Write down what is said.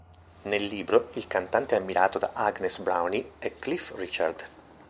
Nel libro il cantante ammirato da Agnes Browne è Cliff Richard.